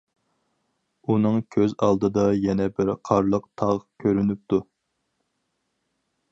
ئۇنىڭ كۆز ئالدىدا يەنە بىر قارلىق تاغ كۆرۈنۈپتۇ.